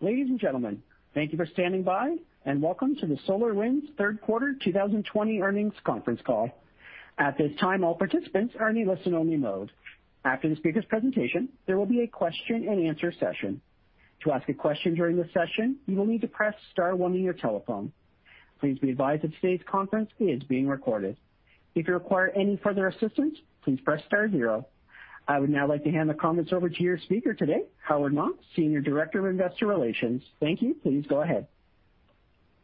Ladies and gentlemen, thank you for standing by. Welcome to the SolarWinds Q3 2020 earnings conference call. At this time, all participants are in a listen-only mode. After the speaker's presentation, there will be a question and answer session. To ask a question during the session, you will need to press star one on your telephone. Please be advised that today's conference is being recorded. If you require any further assistance, please press star zero. I would now like to hand the comments over to your speaker today, Howard Ma, Senior Director of Investor Relations. Thank you. Please go ahead.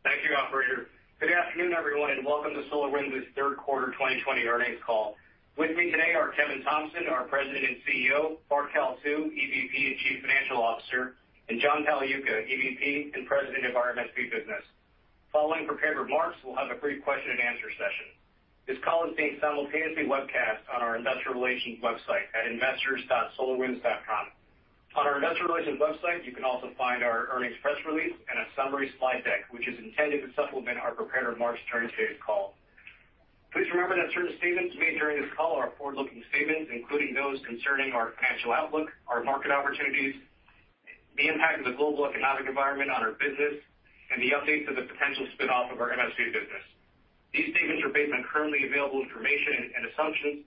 Thank you, operator. Good afternoon, everyone, and welcome to SolarWinds' Q3 2020 earnings call. With me today are Kevin Thompson, our President and CEO, Bart Kalsu, EVP and Chief Financial Officer, and John Pagliuca, EVP and President of our MSP business. Following prepared remarks, we'll have a brief question and answer session. This call is being simultaneously webcast on our investor relations website at investors.solarwinds.com. On our investor relations website, you can also find our earnings press release and a summary slide deck, which is intended to supplement our prepared remarks during today's call. Please remember that certain statements made during this call are forward-looking statements, including those concerning our financial outlook, our market opportunities, the impact of the global economic environment on our business, and the updates of the potential spin-off of our MSP business. These statements are based on currently available information and assumptions,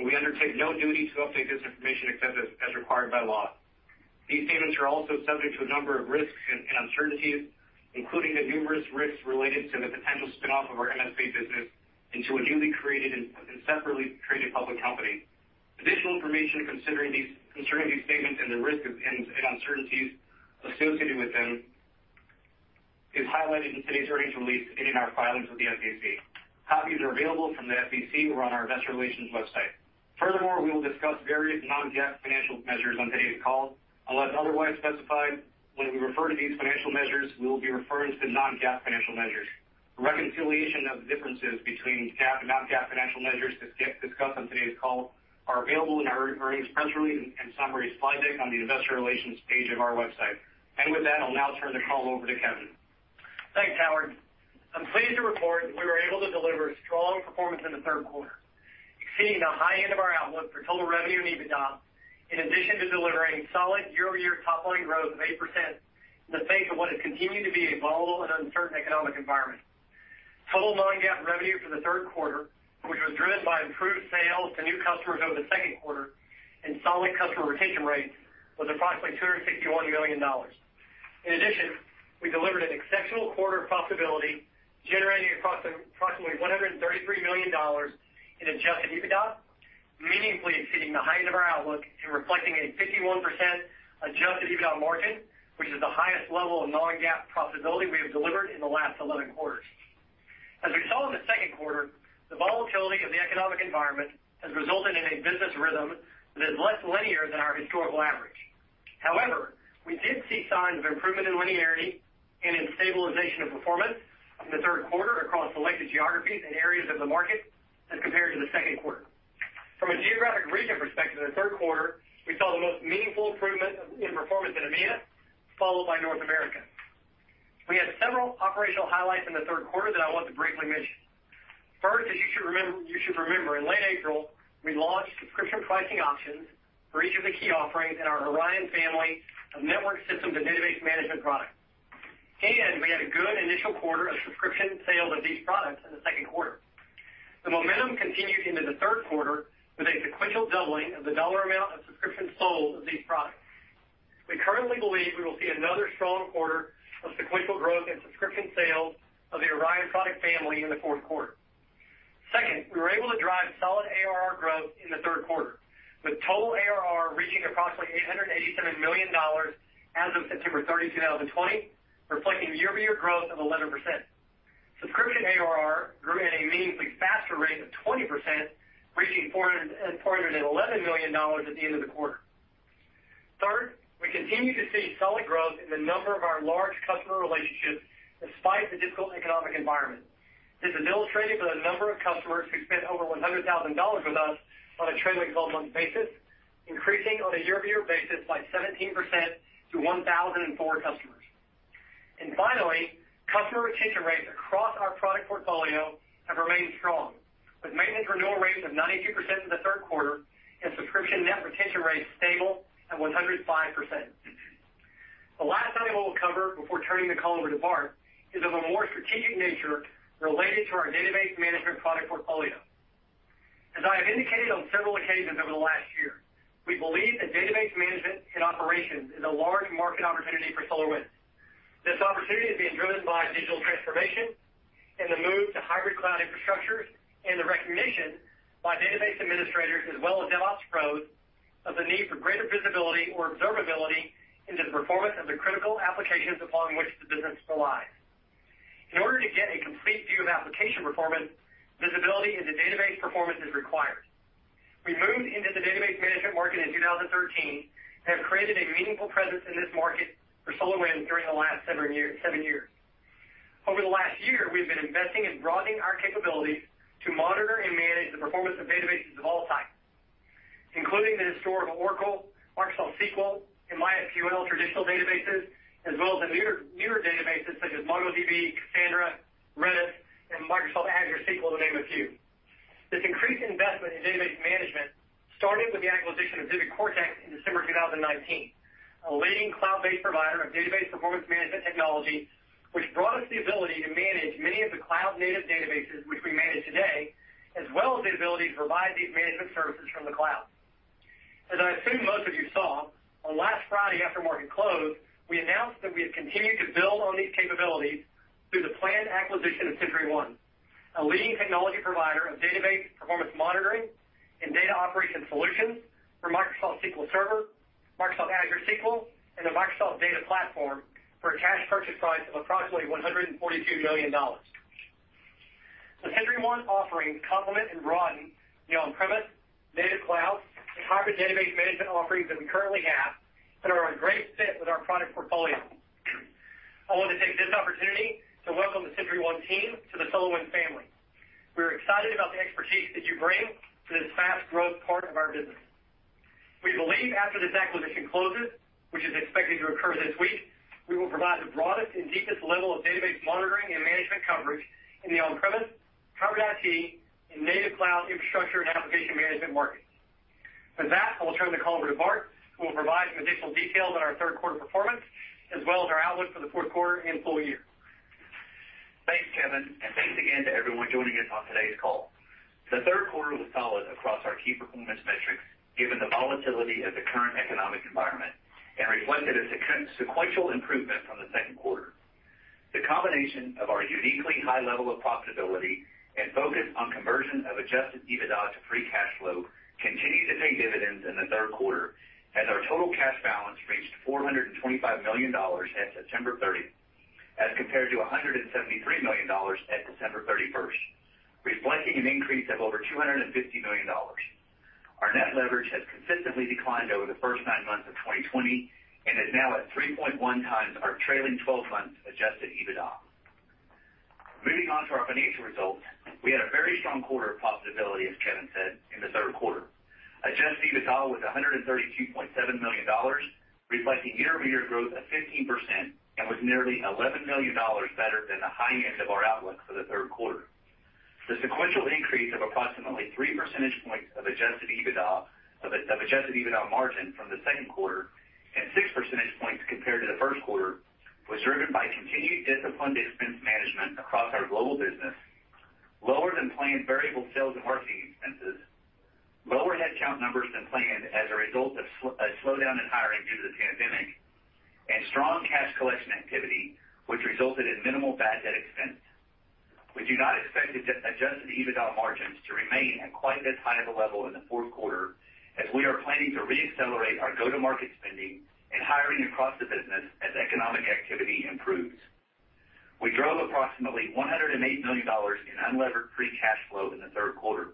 and we undertake no duty to update this information except as required by law. These statements are also subject to a number of risks and uncertainties, including the numerous risks related to the potential spin-off of our MSP business into a newly created and separately traded public company. Additional information concerning these statements and the risks and uncertainties associated with them is highlighted in today's earnings release and in our filings with the SEC. Copies are available from the SEC or on our investor relations website. Furthermore, we will discuss various non-GAAP financial measures on today's call. Unless otherwise specified, when we refer to these financial measures, we will be referring to non-GAAP financial measures. The reconciliation of differences between GAAP and non-GAAP financial measures discussed on today's call are available in our earnings press release and summary slide deck on the investor relations page of our website. With that, I'll now turn the call over to Kevin. Thanks, Howard. I'm pleased to report that we were able to deliver strong performance in the Q3, exceeding the high end of our outlook for total revenue and EBITDA, in addition to delivering solid year-over-year top-line growth of 8% in the face of what has continued to be a volatile and uncertain economic environment. Total non-GAAP revenue for the Q3, which was driven by improved sales to new customers over the Q2 and solid customer retention rates, was approximately $261 million. In addition, we delivered an exceptional quarter of profitability, generating approximately $133 million in adjusted EBITDA, meaningfully exceeding the high end of our outlook and reflecting a 51% adjusted EBITDA margin, which is the highest level of non-GAAP profitability we have delivered in the last 11 quarters. As we saw in the Q2, the volatility of the economic environment has resulted in a business rhythm that is less linear than our historical average. However, we did see signs of improvement in linearity and in stabilization of performance in the Q3 across selected geographies and areas of the market as compared to the Q2. From a geographic region perspective in the Q3, we saw the most meaningful improvement in performance in EMEA, followed by North America. We had several operational highlights in the Q3 that I want to briefly mention. First, as you should remember, in late April, we launched subscription pricing options for each of the key offerings in our Orion family of network systems and database management products. We had a good initial quarter of subscription sales of these products in the Q2. The momentum continued into the Q3 with a sequential doubling of the dollar amount of subscriptions sold of these products. We currently believe we will see another strong quarter of sequential growth in subscription sales of the Orion product family in the Q4. Second, we were able to drive solid ARR growth in the Q3, with total ARR reaching approximately $887 million as of September 30th, 2020, reflecting year-over-year growth of 11%. Subscription ARR grew at a meaningfully faster rate of 20%, reaching $411 million at the end of the quarter. Third, we continue to see solid growth in the number of our large customer relationships despite the difficult economic environment. This is illustrated by the number of customers who spent over $100,000 with us on a trailing 12-month basis, increasing on a year-over-year basis by 17% to 1,004 customers. Finally, customer retention rates across our product portfolio have remained strong, with maintenance renewal rates of 92% in the Q3 and subscription net retention rates stable at 105%. The last item I will cover before turning the call over to Bart is of a more strategic nature related to our database management product portfolio. As I have indicated on several occasions over the last year, we believe that database management and operations is a large market opportunity for SolarWinds. This opportunity is being driven by digital transformation and the move to hybrid cloud infrastructures, and the recognition by database administrators as well as DevOps pros of the need for greater visibility or observability into the performance of the critical applications upon which the business relies. In order to get a complete view of application performance, visibility into database performance is required. We moved into the database management market in 2013 and have created a meaningful presence in this market for SolarWinds during the last seven years. Over the last year, we've been investing in broadening our capabilities to monitor and manage the performance of databases of all types, including the historical Oracle, Microsoft SQL, and MySQL traditional databases, as well as the newer databases such as MongoDB, Cassandra, and Microsoft Azure SQL, to name a few. This increased investment in database management started with the acquisition of VividCortex in December 2019, a leading cloud-based provider of database performance management technology, which brought us the ability to manage many of the cloud-native databases which we manage today, as well as the ability to provide these management services from the cloud. As I assume most of you saw, on last Friday after market close, we announced that we have continued to build on these capabilities through the planned acquisition of SentryOne, a leading technology provider of database performance monitoring and data operations solutions for Microsoft SQL Server, Microsoft Azure SQL, and the Microsoft Data Platform for a cash purchase price of approximately $142 million. The SentryOne offerings complement and broaden the on-premises native cloud and hybrid database management offerings that we currently have and are a great fit with our product portfolio. I want to take this opportunity to welcome the SentryOne team to the SolarWinds family. We're excited about the expertise that you bring to this fast-growth part of our business. We believe after this acquisition closes, which is expected to occur this week, we will provide the broadest and deepest level of database monitoring and management coverage in the on-premise, hybrid IT, and native cloud infrastructure and application management markets. With that, I will turn the call over to Bart, who will provide some additional details on our Q3 performance, as well as our outlook for the Q4 and full year. Thanks, Kevin, thanks again to everyone joining us on today's call. The Q3 was solid across our key performance metrics, given the volatility of the current economic environment, and reflected a sequential improvement from the Q2. The combination of our uniquely high level of profitability and focus on conversion of adjusted EBITDA to free cash flow continued to pay dividends in the Q3 as our total cash balance reached $425 million at September 30th, as compared to $173 million at December 31st, reflecting an increase of over $250 million. Our net leverage has consistently declined over the first nine months of 2020 and is now at 3.1 times our trailing 12 months adjusted EBITDA. Moving on to our financial results, we had a very strong quarter of profitability, as Kevin said, in the Q3. Adjusted EBITDA was $132.7 million, reflecting year-over-year growth of 15% and was nearly $11 million better than the high end of our outlook for the Q3. The sequential increase of approximately 3 percentage points of Adjusted EBITDA margin from the Q2 and 6 percentage points compared to the Q1 was driven by continued disciplined expense management across our global business, lower than planned variable sales and marketing expenses, lower headcount numbers than planned as a result of a slowdown in hiring due to the pandemic, and strong cash collection activity, which resulted in minimal bad debt expense. We do not expect Adjusted EBITDA margins to remain at quite this high of a level in the Q4 as we are planning to re-accelerate our go-to-market spending and hiring across the business as economic activity improves. We drove approximately $108 million in unlevered free cash flow in the Q3,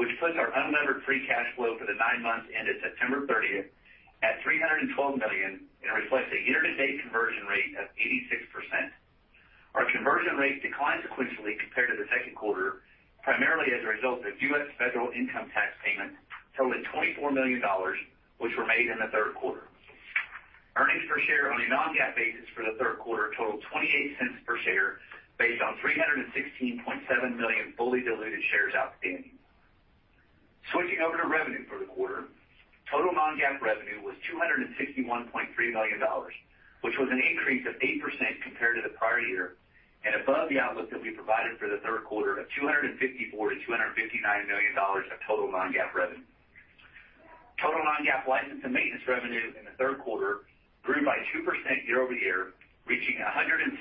which puts our unlevered free cash flow for the nine months ended September 30th at $312 million and reflects a year-to-date conversion rate of 86%. Our conversion rate declined sequentially compared to the Q2, primarily as a result of U.S. federal income tax payments totaling $24 million, which were made in the Q3. Earnings per share on a non-GAAP basis for the Q3 totaled $0.28 per share, based on 316.7 million fully diluted shares outstanding. Switching over to revenue for the quarter, total non-GAAP revenue was $261.3 million, which was an increase of 8% compared to the prior year and above the outlook that we provided for the Q3 of $254 million-$259 million of total non-GAAP revenue. Total non-GAAP license and maintenance revenue in the Q3 grew by 2% year-over-year, reaching $160.4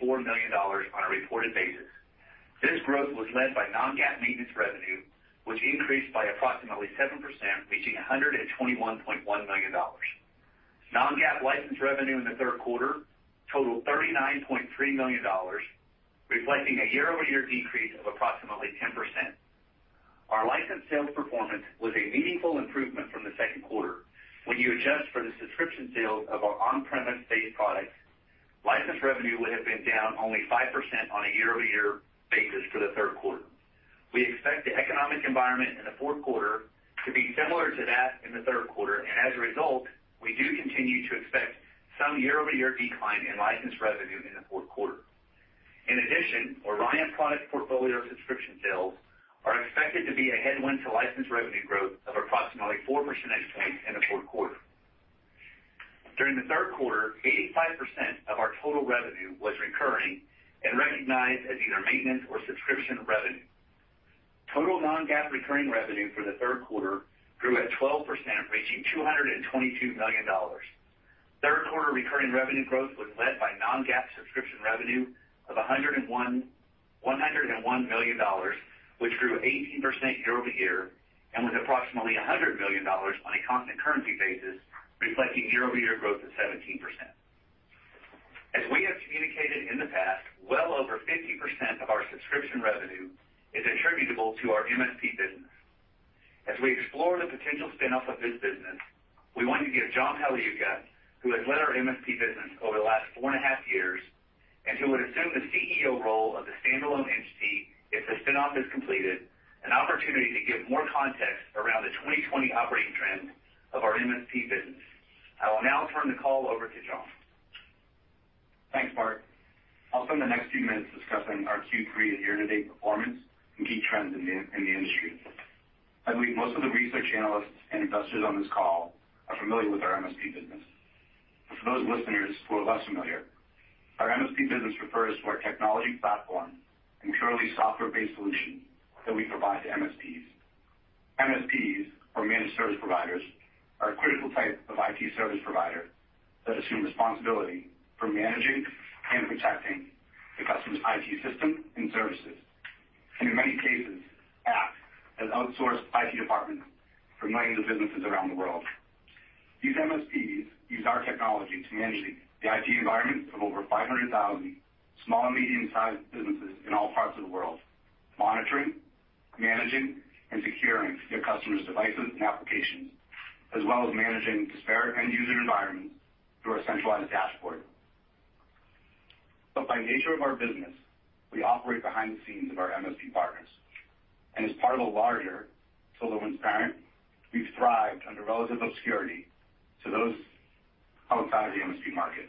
million on a reported basis. This growth was led by non-GAAP maintenance revenue, which increased by approximately 7%, reaching $121.1 million. Non-GAAP license revenue in the Q3 totaled $39.3 million, reflecting a year-over-year decrease of approximately 10%. Our license sales performance was a meaningful improvement from the Q2. When you adjust for the subscription sales of our on-premises-based products, license revenue would have been down only 5% on a year-over-year basis for the Q3. We expect the economic environment in the Q4 to be similar to that in the Q3, and as a result, we do continue to expect some year-over-year decline in license revenue in the Q4. In addition, Orion product portfolio subscription sales are expected to be a headwind to license revenue growth of approximately four percentage points in the Q4. During the Q3, 85% of our total revenue was recurring and recognized as either maintenance or subscription revenue. Total non-GAAP recurring revenue for the Q3 grew at 12%, reaching $222 million. Q3 recurring revenue growth was led by non-GAAP subscription revenue of $101 million, which grew 18% year-over-year and was approximately $100 million on a constant currency basis, reflecting year-over-year growth of 17%. As we have communicated in the past, well over 50% of our subscription revenue is attributable to our MSP business. As we explore the potential spin-off of this business, we want to give John Pagliuca, who has led our MSP business over the last four and a half years, and who would assume the CEO role of the standalone entity, the spin-off is completed, an opportunity to give more context around the 2020 operating trends of our MSP business. I will now turn the call over to John. Thanks, Bart. I'll spend the next few minutes discussing our Q3 and year-to-date performance and key trends in the industry. I believe most of the research analysts and investors on this call are familiar with our MSP business. For those listeners who are less familiar, our MSP business refers to our technology platform and purely software-based solution that we provide to MSPs. MSPs, or managed service providers, are a critical type of IT service provider that assume responsibility for managing and protecting the customer's IT system and services, and in many cases, act as outsourced IT departments for millions of businesses around the world. These MSPs use our technology to manage the IT environments of over 500,000 small and medium-sized businesses in all parts of the world, monitoring, managing, and securing their customers' devices and applications, as well as managing disparate end-user environments through a centralized dashboard. By nature of our business, we operate behind the scenes of our MSP partners. As part of a larger SolarWinds parent, we've thrived under relative obscurity to those outside of the MSP market.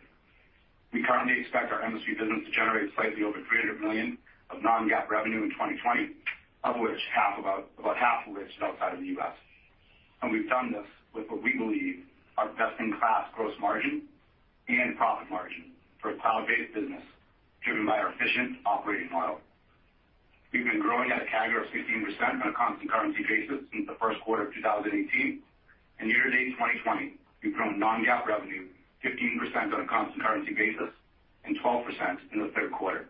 We currently expect our MSP business to generate slightly over $300 million of non-GAAP revenue in 2020, about half of which is outside of the U.S. We've done this with what we believe are best-in-class gross margin and profit margin for a cloud-based business driven by our efficient operating model. We've been growing at a CAGR of 16% on a constant currency basis since the Q1 of 2018, and year-to-date 2020, we've grown non-GAAP revenue 15% on a constant currency basis and 12% in the Q3.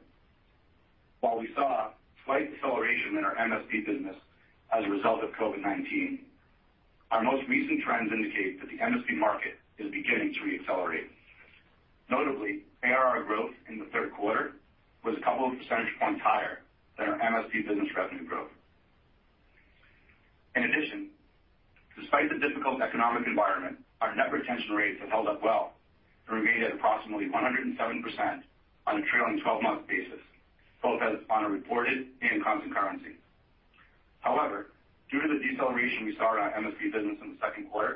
While we saw a slight deceleration in our MSP business as a result of COVID-19, our most recent trends indicate that the MSP market is beginning to re-accelerate. Notably, ARR growth in the Q3 was a couple of percentage points higher than our MSP business revenue growth. In addition, despite the difficult economic environment, our net retention rates have held up well and remain at approximately 107% on a trailing 12-month basis, both on a reported and constant currency. However, due to the deceleration we saw in our MSP business in the Q2,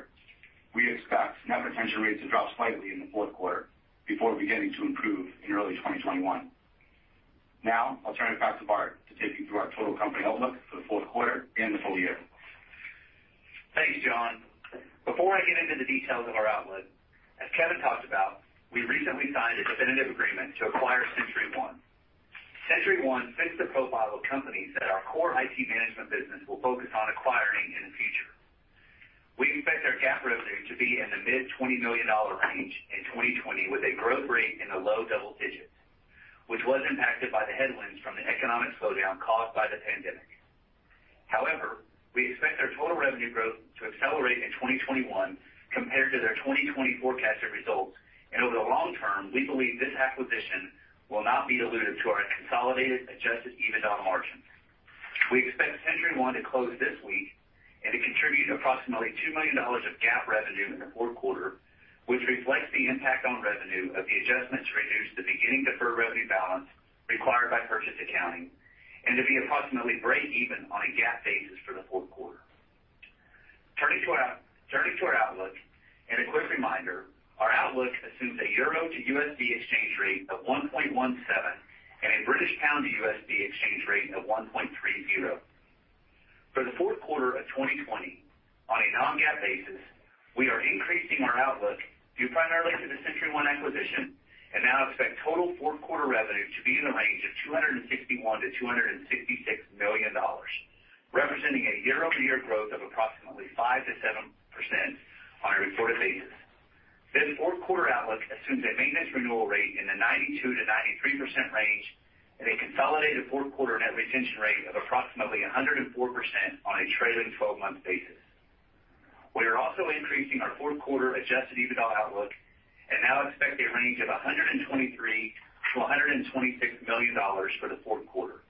we expect net retention rates to drop slightly in the Q4 before beginning to improve in early 2021. Now, I'll turn it back to Bart to take you through our total company outlook for the Q4 and the full year. Thanks, John. Before I get into the details of our outlook, as Kevin talked about, we recently signed a definitive agreement to acquire SentryOne. SentryOne fits the profile of companies that our core IT management business will focus on acquiring in the future. We expect their GAAP revenue to be in the mid $20 million range in 2020 with a growth rate in the low double digits, which was impacted by the headwinds from the economic slowdown caused by the pandemic. However, we expect their total revenue growth to accelerate in 2021 compared to their 2020 forecasted results. Over the long term, we believe this acquisition will not be dilutive to our consolidated adjusted EBITDA margins. We expect SentryOne to close this week and to contribute approximately $2 million of GAAP revenue in the Q4, which reflects the impact on revenue of the adjustment to reduce the beginning deferred revenue balance required by purchase accounting, and to be approximately break even on a GAAP basis for the Q4. Turning to our outlook, a quick reminder, our outlook assumes a EUR to USD exchange rate of 1.17 and a GBP to USD exchange rate of 1.30. For the Q4 of 2020, on a non-GAAP basis, we are increasing our outlook due primarily to the SentryOne acquisition and now expect total Q4 revenue to be in the range of $261 million-$266 million, representing a year-over-year growth of approximately 5%-7% on a reported basis. This Q4 outlook assumes a maintenance renewal rate in the 92%-93% range and a consolidated Q4 net retention rate of approximately 104% on a trailing 12-month basis. We are also increasing our Q4 adjusted EBITDA outlook and now expect a range of $123 million-$126 million for the Q4,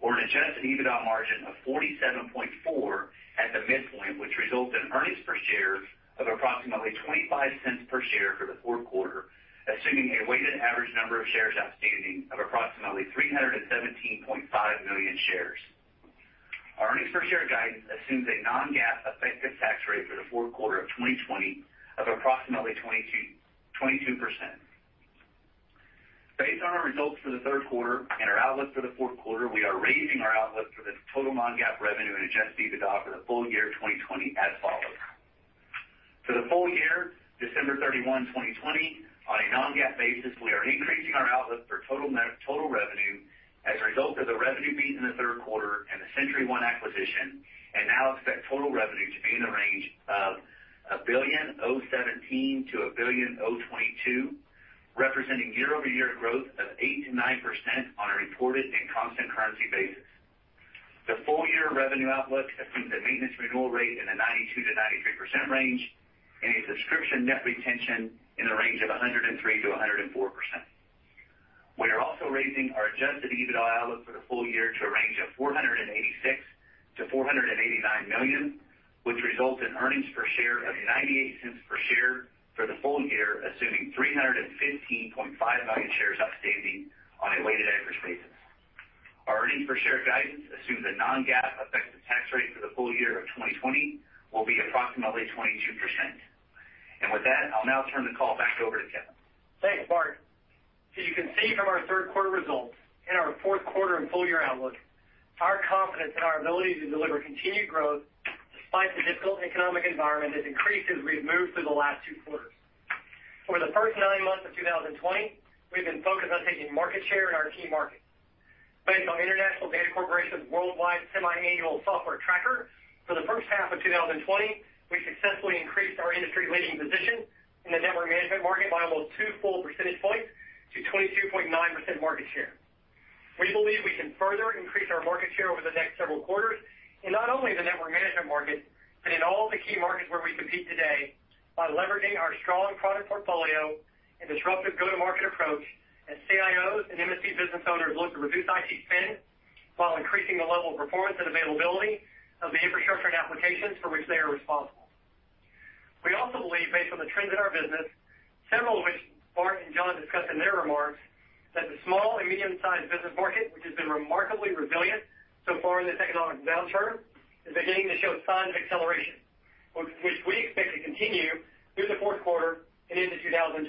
or an adjusted EBITDA margin of 47.4% at the midpoint, which results in earnings per share of approximately $0.25 per share for the Q4, assuming a weighted average number of shares outstanding of approximately 317.5 million shares. Our earnings per share guidance assumes a non-GAAP effective tax rate for the Q4 of 2020 of approximately 22%. Based on our results for the Q3 and our outlook for the Q4, we are raising our outlook for the total non-GAAP revenue and adjusted EBITDA for the full year 2020 as follows. For the full year, December 31, 2020, on a non-GAAP basis, we are increasing our outlook for total revenue as a result of the revenue beat in the Q3 and the SentryOne acquisition. Now expect total revenue to be in the range of $1.017 billion-$1.022 billion, representing year-over-year growth of 8%-9% on a reported and constant currency basis. The full-year revenue outlook assumes a maintenance renewal rate in the 92%-93% range and a subscription net retention in the range of 103%-104%. We are also raising our adjusted EBITDA outlook for the full year to a range of $486 million-$489 million, which results in earnings per share of $0.98 per share for the full year, assuming 315.5 million shares outstanding on a weighted average basis. Our earnings per share guidance assumes a non-GAAP effective tax rate for the full year of 2020 will be approximately 22%. With that, I'll now turn the call back over to Kevin. Thanks, Bart. As you can see from our Q3 results and our Q4 and full-year outlook, our confidence in our ability to deliver continued growth despite the difficult economic environment has increased as we've moved through the last two quarters. For the first nine months of 2020, we've been focused on taking market share in our key markets. Based on International Data Corporation's worldwide semiannual software tracker, for the H1 of 2020, we successfully increased our industry-leading position in the network management market by almost two full percentage points to 22.9% market share. We believe we can further increase our market share over the next several quarters in not only the network management market, but in all the key markets where we compete today by leveraging our strong product portfolio and disruptive go-to-market approach as CIOs and MSP business owners look to reduce IT spend while increasing the level of performance and availability of the infrastructure and applications for which they are responsible. We also believe, based on the trends in our business, several of which Bart and John discussed in their remarks, that the small and medium-sized business market, which has been remarkably resilient so far in this economic downturn, is beginning to show signs of acceleration, which we expect to continue through the Q4 and into 2021.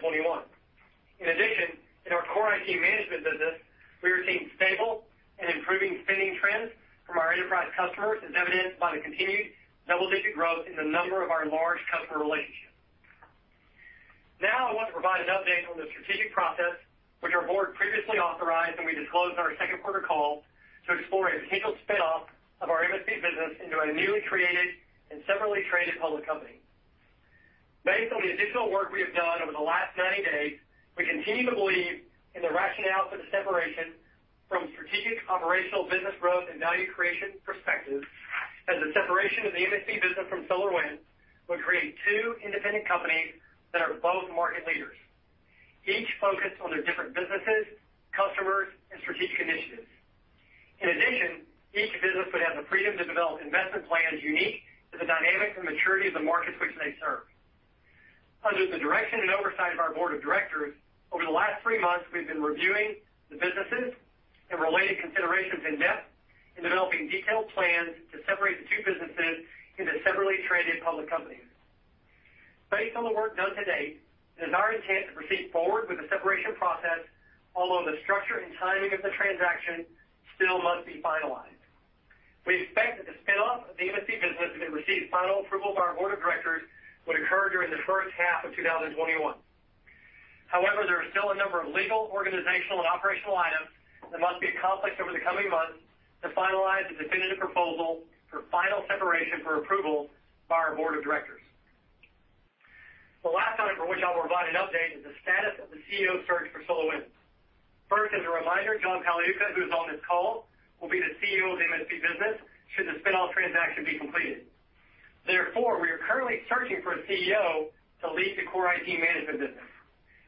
In addition, in our core IT management business, we are seeing stable and improving spending trends from our enterprise customers, as evidenced by the continued double-digit growth in the number of our large customer relationships. Now I want to provide an update on the strategic process, which our board previously authorized, and we disclosed on our Q2 call to explore a potential spin-off of our MSP business into a newly created and separately traded public company. Based on the additional work we have done over the last 90 days, we continue to believe in the rationale for the separation from strategic operational business growth and value creation perspectives, as the separation of the MSP business from SolarWinds would create two independent companies that are both market leaders, each focused on their different businesses, customers, and strategic initiatives. In addition, each business would have the freedom to develop investment plans unique to the dynamics and maturity of the markets which they serve. Under the direction and oversight of our board of directors, over the last three months, we've been reviewing the businesses and related considerations in depth and developing detailed plans to separate the two businesses into separately traded public companies. Based on the work done to date, it is our intent to proceed forward with the separation process, although the structure and timing of the transaction still must be finalized. We expect that the spin-off of the MSP business, if it receives final approval of our board of directors, would occur during the H1 of 2021. However, there are still a number of legal, organizational, and operational items that must be accomplished over the coming months to finalize the definitive proposal for final separation for approval by our board of directors. The last item for which I'll provide an update is the status of the CEO search for SolarWinds. First, as a reminder, John Pagliuca, who is on this call, will be the CEO of the MSP business should the spin-off transaction be completed. Therefore, we are currently searching for a CEO to lead the core IT management business.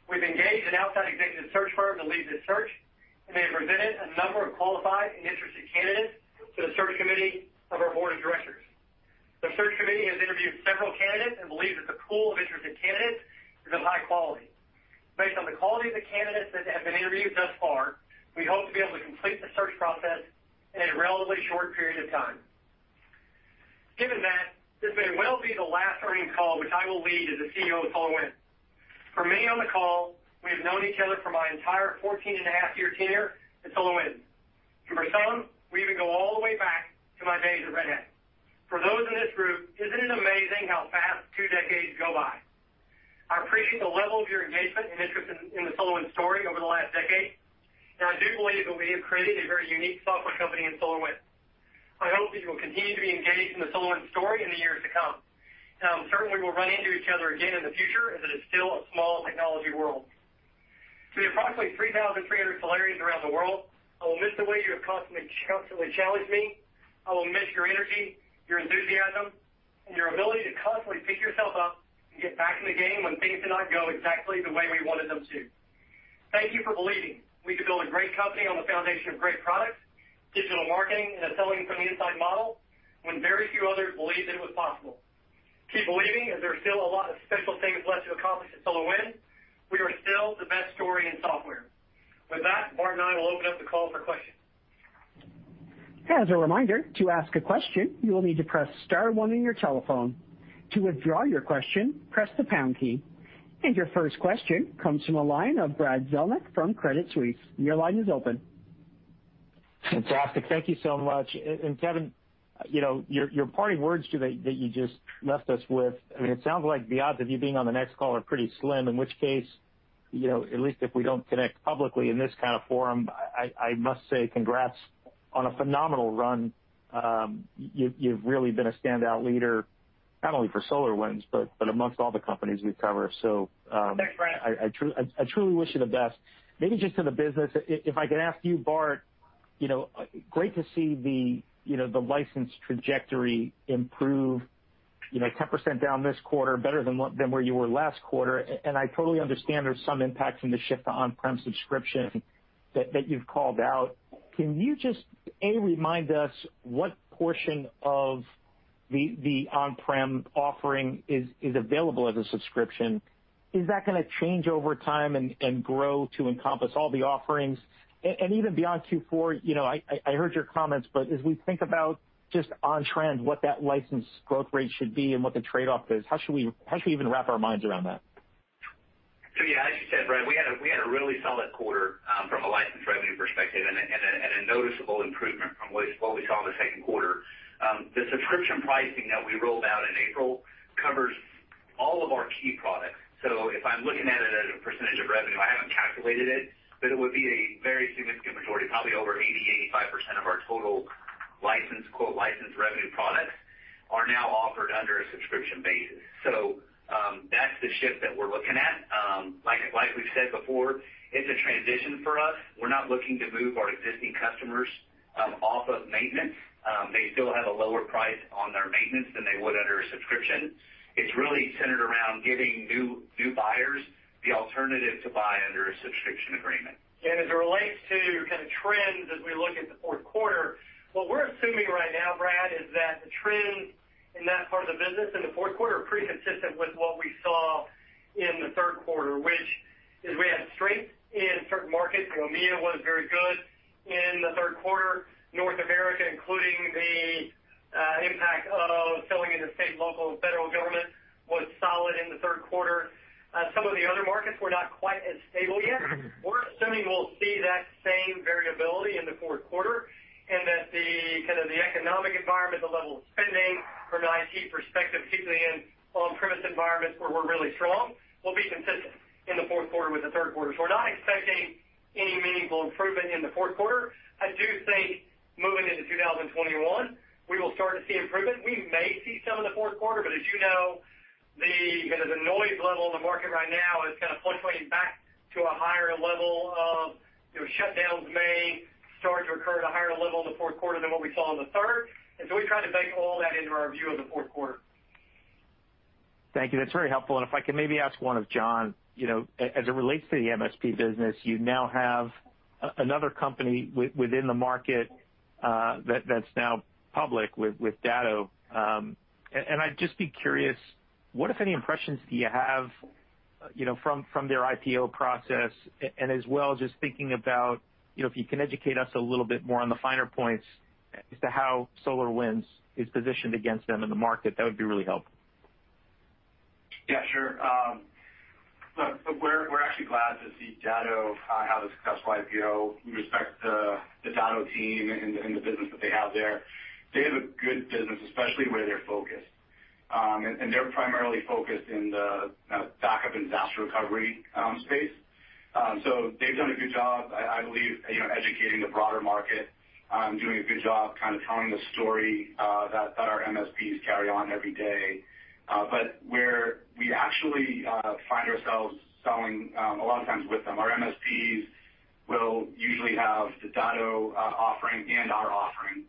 We've engaged an outside executive search firm to lead this search, and they have presented a number of qualified and interested candidates to the search committee of our board of directors. The search committee has interviewed several candidates and believes that the pool of interested candidates is of high quality. Based on the quality of the candidates that have been interviewed thus far, we hope to be able to complete the search process in a relatively short period of time. Given that, this may well be the last earnings call which I will lead as the CEO of SolarWinds. For many on the call, we have known each other for my entire 14 and a half year tenure at SolarWinds, and for some, we even go all the way back to my days at Red Hat. For those in this group, isn't it amazing how fast two decades go by? I appreciate the level of your engagement and interest in the SolarWinds story over the last decade, and I do believe that we have created a very unique software company in SolarWinds. I hope that you will continue to be engaged in the SolarWinds story in the years to come, and I'm certain we will run into each other again in the future, as it is still a small technology world. To the approximately 3,300 SolarWinds around the world, I will miss the way you have constantly challenged me. I will miss your energy, your enthusiasm, and your ability to constantly pick yourself up and get back in the game when things do not go exactly the way we wanted them to. Thank you for believing we could build a great company on the foundation of great products, digital marketing, and a selling from the inside model when very few others believed it was possible. Keep believing, as there are still a lot of special things left to accomplish at SolarWinds. We are still the best story in software. With that, Bart and I will open up the call for questions. As a reminder, to ask a question, you will need to press star one on your telephone. To withdraw your question, press the pound key. Your first question comes from the line of Brad Zelnick from Credit Suisse. Your line is open. Fantastic. Thank you so much. Kevin, your parting words today that you just left us with, it sounds like the odds of you being on the next call are pretty slim, in which case, at least if we don't connect publicly in this kind of forum, I must say congrats on a phenomenal run. You've really been a standout leader, not only for SolarWinds, but amongst all the companies we cover. Thanks, Brad I truly wish you the best. Maybe just to the business, if I could ask you, Bart, great to see the license trajectory improve, 10% down this quarter, better than where you were last quarter. I totally understand there's some impact from the shift to on-prem subscription that you've called out. Can you just, A, remind us what portion of the on-prem offering is available as a subscription? Is that going to change over time and grow to encompass all the offerings? Even beyond Q4, I heard your comments, but as we think about just on-trend, what that license growth rate should be and what the trade-off is, how should we even wrap our minds around that? Yeah, as you said, Brad, we had a really solid quarter from a license revenue perspective, and a noticeable improvement from what we saw in the Q2. The subscription pricing that we rolled out in April covers all of our key products. If I'm looking at it as a percentage of revenue, I haven't calculated it, but it would be a very significant majority, probably over 80%, 85% of our total license, quote, "license revenue products" are now offered under a subscription basis. That's the shift that we're looking at. Like we've said before, it's a transition for us. We're not looking to move our existing customers off of maintenance. They still have a lower price on their maintenance than they would under a subscription. It's really centered around giving new buyers the alternative to buy under a subscription agreement. As it relates to trends as we look at the Q4, what we're assuming right now, Brad, is that the trends in that part of the business in the Q4 are pretty consistent with what we saw in the Q3, which is we had strength in certain markets. EMEA was very good in the Q3. North America, including the impact of selling into state, local, and federal government, was solid in the Q3. Some of the other markets were not quite as stable yet. We're assuming we'll see that same variability in the Q4, and that the economic environment, the level of spending from an IT perspective, particularly in on-premise environments where we're really strong, will be consistent in the Q4 with the Q3. We're not expecting any meaningful improvement in the Q4. I do think moving into 2021, we will start to see improvement. We may see some in the Q4, but as you know, the noise level in the market right now is fluctuating back to a higher level of shutdowns may start to occur at a higher level in the Q4 than what we saw in the third. We try to bake all that into our view of the Q4. Thank you. That's very helpful. If I could maybe ask one of John. As it relates to the MSP business, you now have another company within the market that's now public with Datto. I'd just be curious, what, if any, impressions do you have from their IPO process? As well, just thinking about, if you can educate us a little bit more on the finer points as to how SolarWinds is positioned against them in the market, that would be really helpful. Yeah, sure. We're actually glad to see Datto have a successful IPO. We respect the Datto team and the business that they have there. They have a good business, especially where they're focused. They're primarily focused in the backup and disaster recovery space. They've done a good job, I believe, educating the broader market, doing a good job telling the story that our MSPs carry on every day. Where we actually find ourselves selling a lot of times with them, our MSPs will usually have the Datto offering and our offering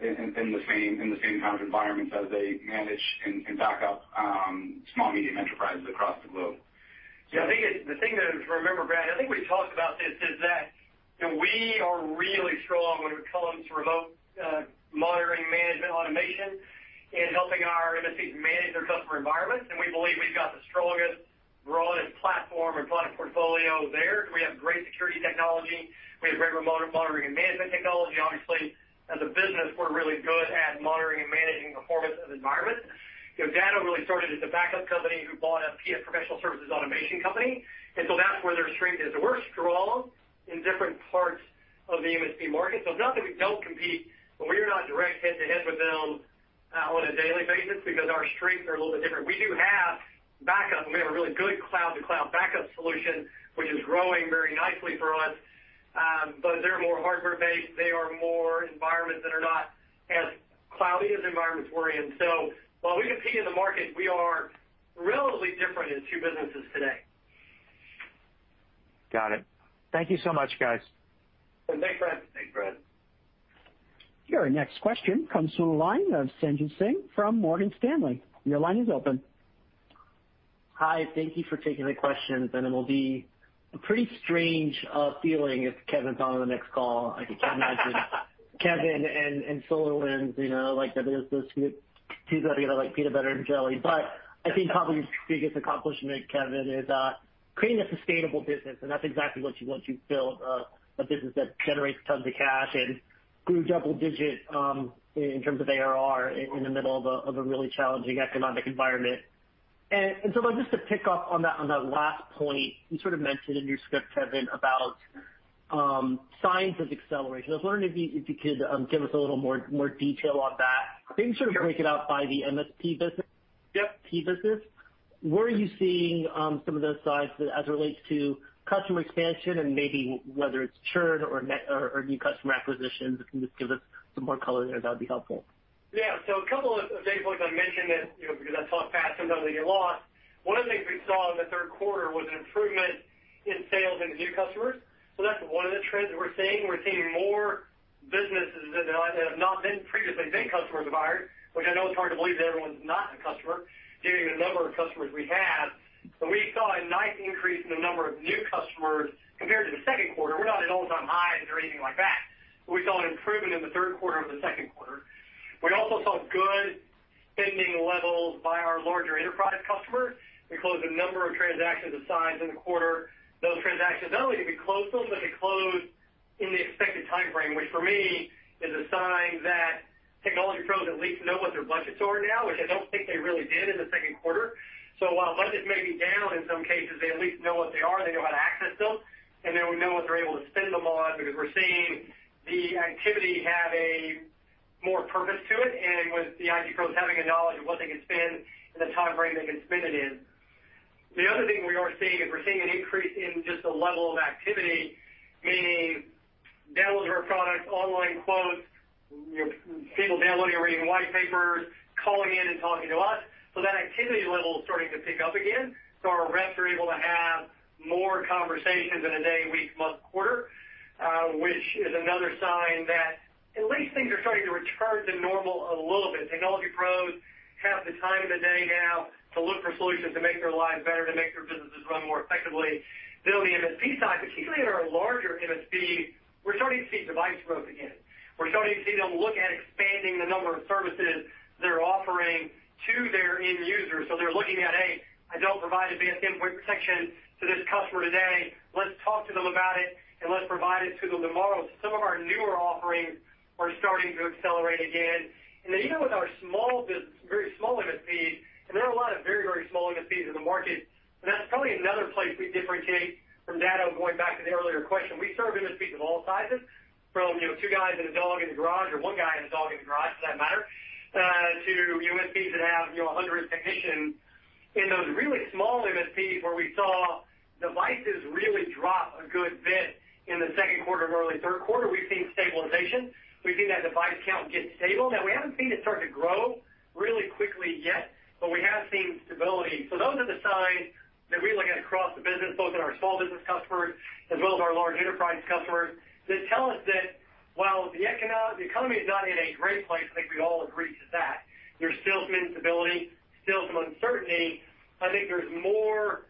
in the same kind of environments as they manage and back up small, medium enterprises across the globe. Yeah, I think the thing to remember, Brad, I think we've talked about this, is that we are really strong when it comes to remote monitoring, management, automation, and helping our MSPs manage their customer environments. We believe we've got the strongest, broadest platform and product portfolio there. We have great security technology. We have great remote monitoring and management technology. Obviously, as a business, we're really good at monitoring and managing performance of environments. Datto really started as a backup company who bought up professional services automation company, and so that's where their strength is. We're strong in different parts of the MSP market. It's not that we don't compete, but we are not direct head-to-head with them on a daily basis because our strengths are a little bit different. We do have backup, and we have a really good cloud-to-cloud backup solution, which is growing very nicely for us. They're more hardware-based. They are more environments that are not as cloudy as environments we're in. While we compete in the market, we are relatively different as two businesses today. Got it. Thank you so much, guys. Thanks, Brad. Thanks, Brad. Your next question comes through the line of Sanjit Singh from Morgan Stanley. Your line is open. Hi. Thank you for taking the questions. It will be a pretty strange feeling if Kevin's on the next call. I can't imagine Kevin and SolarWinds, like those two go together like peanut butter and jelly. I think probably your biggest accomplishment, Kevin, is creating a sustainable business, and that's exactly what you've built, a business that generates tons of cash and grew double digit in terms of ARR in the middle of a really challenging economic environment. Just to pick up on that last point, you sort of mentioned in your script, Kevin, about signs of acceleration. I was wondering if you could give us a little more detail on that. Maybe sort of break it out by the MSP business. Yep. Where are you seeing some of those signs as it relates to customer expansion and maybe whether it's churn or new customer acquisitions? If you can just give us some more color there, that would be helpful. Yeah. A couple of data points I mentioned that I talk fast sometimes I get lost. One of the things we saw in the Q3 was an improvement in sales into new customers. That's one of the trends that we're seeing. We're seeing more businesses that have not previously been customers of ours, which I know is hard to believe that everyone's not a customer, given the number of customers we have. We saw a nice increase in the number of new customers compared to the Q2. We're not at all-time highs or anything like that, but we saw an improvement in the Q3 over the Q2. We also saw good spending levels by our larger enterprise customers. We closed a number of transactions and signs in the quarter. Those transactions, not only did we close those, but they closed in the expected timeframe, which for me is a sign that technology pros at least know what their budgets are now, which I don't think they really did in the Q2. While budgets may be down, in some cases, they at least know what they are, they know how to access them, and they know what they're able to spend them on, because we're seeing the activity have more purpose to it, and with the IT pros having a knowledge of what they can spend and the timeframe they can spend it in. The other thing we are seeing is we're seeing an increase in just the level of activity, meaning downloads of our products, online quotes, people downloading and reading white papers, calling in and talking to us. That activity level is starting to pick up again. Our reps are able to have more conversations in a day, week, month, quarter, which is another sign that at least things are starting to return to normal a little bit. Technology pros have the time of the day now to look for solutions to make their lives better, to make their businesses run more effectively. On the MSP side, particularly in our larger MSPs, we're starting to see device growth again. We're starting to see them look at expanding the number of services they're offering to their end users. They're looking at, hey, I don't provide advanced endpoint protection to this customer today. Let's talk to them about it and let's provide it to them tomorrow. Some of our newer offerings are starting to accelerate again. Even with our very small MSPs, and there are a lot of very small MSPs in the market, and that's probably another place we differentiate from Datto, going back to the earlier question. We serve MSPs of all sizes, from two guys and a dog in a garage, or one guy and a dog in a garage, for that matter, to MSPs that have 100 technicians. In those really small MSPs, where we saw devices really drop a good bit in the Q2 and early Q3, we've seen stabilization. We've seen that device count get stable. Now, we haven't seen it start to grow really quickly yet, but we have seen stability. Those are the signs that we look at across the business, both in our small business customers as well as our large enterprise customers, that tell us that while the economy is not in a great place, I think we all agree to that. There's still some instability, still some uncertainty. I think there's more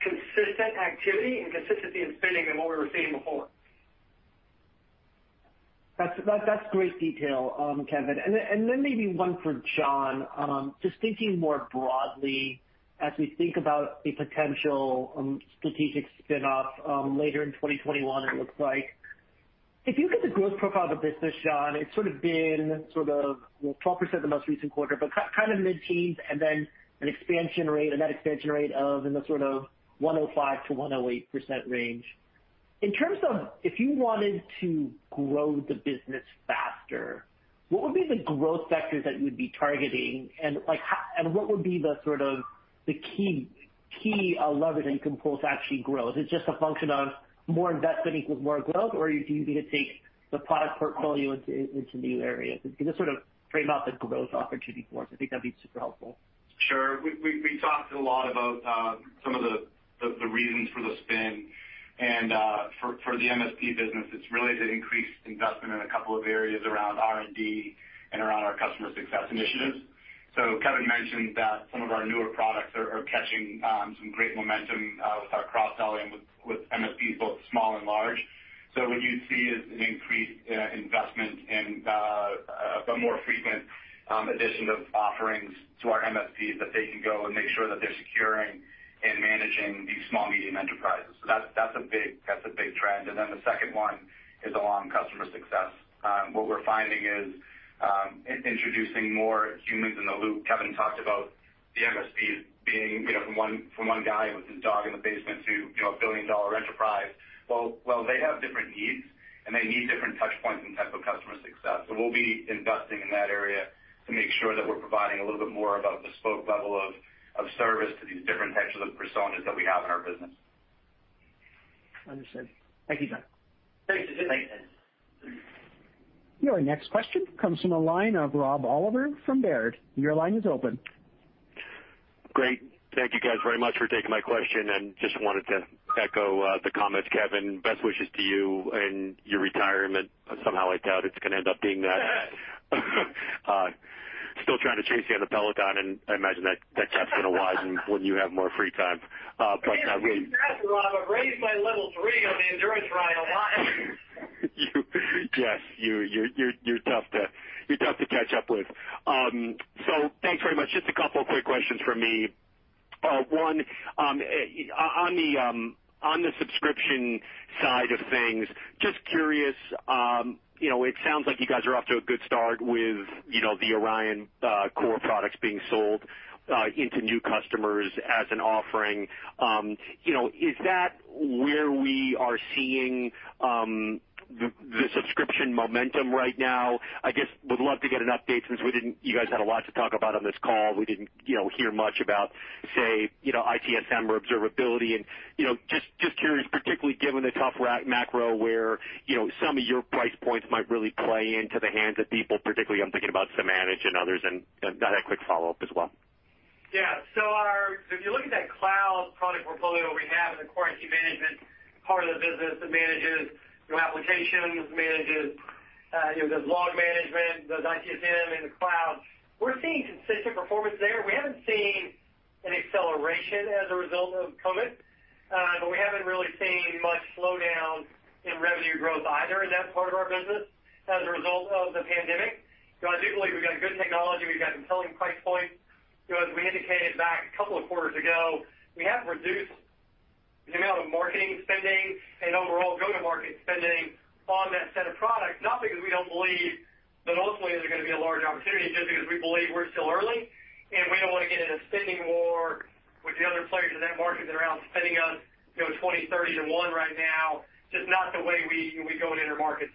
consistent activity and consistency in spending than what we were seeing before. That's great detail, Kevin. Then maybe one for John. Just thinking more broadly as we think about a potential strategic spin-off later in 2021, it looks like. If you look at the growth profile of the business, John, it's been sort of 12% the most recent quarter, but kind of mid-teens, then a net expansion rate of in the sort of 105%-108% range. In terms of if you wanted to grow the business faster, what would be the growth sectors that you would be targeting? What would be the key levers that you can pull to actually grow? Is it just a function of more investment equals more growth, or do you need to take the product portfolio into new areas? If you could just sort of frame out the growth opportunity for us, I think that'd be super helpful. Sure. We talked a lot about some of the reasons for the spin and for the MSP business, it's really to increase investment in a couple of areas around R&D and around our customer success initiatives. Kevin mentioned that some of our newer products are catching some great momentum with our cross-selling with MSPs, both small and large. What you'd see is an increased investment in a more frequent addition of offerings to our MSPs that they can go and make sure that they're securing and managing these small medium enterprises. That's a big trend. The second one is along customer success. What we're finding is introducing more humans in the loop. Kevin talked about the MSPs being from one guy with his dog in the basement to a billion-dollar enterprise. Well, they have different needs. They need different touch points and types of customer success. We'll be investing in that area to make sure that we're providing a little bit more of a bespoke level of service to these different types of personas that we have in our business. Understood. Thank you, John. Thanks. Thanks, Kevin. Your next question comes from the line of Rob Oliver from Baird. Your line is open. Great. Thank you guys very much for taking my question, and just wanted to echo the comments, Kevin. Best wishes to you and your retirement. Somehow I doubt it's going to end up being that. Still trying to chase you on the Peloton, and I imagine that chance is going to rise when you have more free time. I'm pretty fast, Rob. I raised my level 3 on the endurance ride a lot. Yes. You're tough to catch up with. Thanks very much. Just a couple of quick questions from me. One, on the subscription side of things, just curious. It sounds like you guys are off to a good start with the Orion core products being sold into new customers as an offering. Is that where we are seeing the subscription momentum right now? I guess would love to get an update since you guys had a lot to talk about on this call. We didn't hear much about, say, ITSM or observability and just curious, particularly given the tough macro where some of your price points might really play into the hands of people, particularly I'm thinking about Samanage and others, and that quick follow-up as well. Yeah. If you look at that cloud product portfolio we have in the core IT management part of the business that manages your applications, manages the log management in the cloud, we're seeing consistent performance there. We haven't seen an acceleration as a result of COVID, we haven't really seen much slowdown in revenue growth either in that part of our business as a result of the pandemic. I do believe we've got good technology, we've got compelling price points. As we indicated back a couple of quarters ago, we have reduced the amount of marketing spending and overall go-to-market spending on that set of products, not because we don't believe that ultimately there's going to be a large opportunity, just because we believe we're still early, and we don't want to get in a spending war with the other players in that market that are outspending us 20, 30 to one right now. Just not the way we go to enter a market.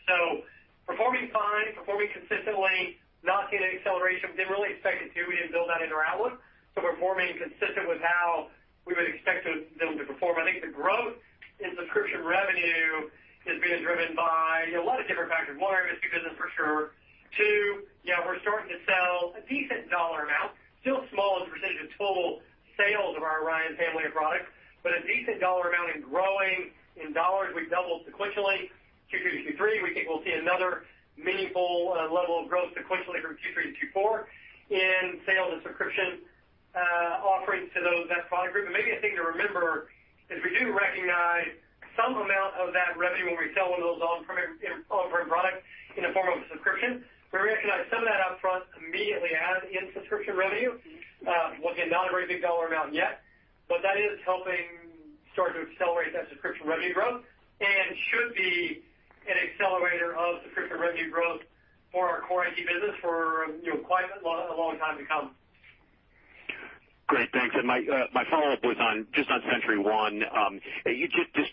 Performing fine, performing consistently, not seeing any acceleration. We didn't really expect it to. We didn't build that into our outlook. Performing consistent with how we would expect them to perform. I think the growth in subscription revenue is being driven by a lot of different factors. One, MSP business for sure. Two, we're starting to sell a decent dollar amount, still small as a percentage of total sales of our Orion family of products, but a decent dollar amount and growing in dollars. We've doubled sequentially Q2-to-Q3. We think we'll see another meaningful level of growth sequentially from Q3 to Q4 in sales and subscription offerings to that product group. Maybe a thing to remember is we do recognize some amount of that revenue when we sell one of those on-prem products in the form of a subscription. We recognize some of that upfront immediately as in subscription revenue. Once again, not a very big dollar amount yet, but that is helping start to accelerate that subscription revenue growth and should be an accelerator of subscription revenue growth for our core IT business for quite a long time to come. Great. Thanks. My follow-up was just on SentryOne. Just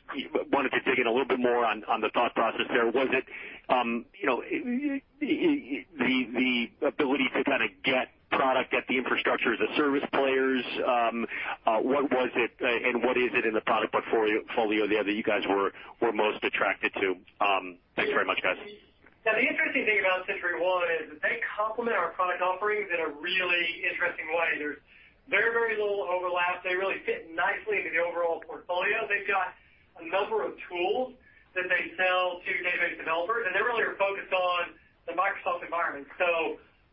wanted to dig in a little bit more on the thought process there. Was it the ability to kind of get product at the infrastructure as a service players? What was it, and what is it in the product portfolio there that you guys were most attracted to? Thanks very much, guys. Yeah. The interesting thing about SentryOne is that they complement our product offerings in a really interesting way. There's very little overlap. They really fit nicely into the overall portfolio. They've got a number of tools that they sell to database developers, and they really are focused on the Microsoft environment.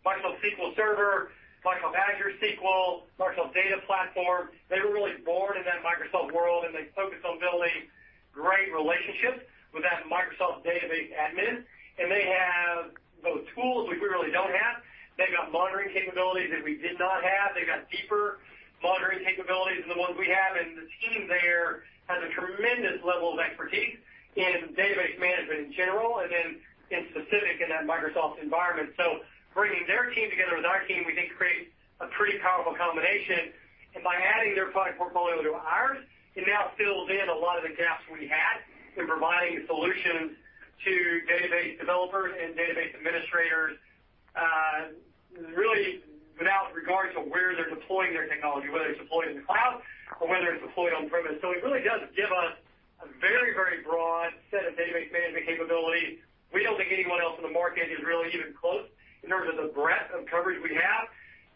Microsoft SQL Server, Microsoft Azure SQL, Microsoft data platform. They were really born in that Microsoft world, and they focus on building great relationships with that Microsoft database admin. They have those tools, which we really don't have. They've got monitoring capabilities that we did not have. They've got deeper monitoring capabilities than the ones we have, and the team there has a tremendous level of expertise in database management in general, and then in specific in that Microsoft environment. Bringing their team together with our team, we think creates a pretty powerful combination. By adding their product portfolio to ours, it now fills in a lot of the gaps we had in providing solutions to database developers and database administrators really without regard to where they're deploying their technology, whether it's deployed in the cloud or whether it's deployed on-premises. It really does give us a very broad set of database management capabilities. We don't think anyone else in the market is really even close in terms of the breadth of coverage we have.